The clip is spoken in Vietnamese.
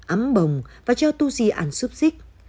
ấm bồng và cho tu di ăn xúc xích